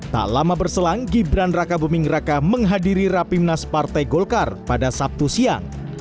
tak lama berselang gibran raka buming raka menghadiri rapimnas partai golkar pada sabtu siang